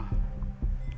gimana menurut a kang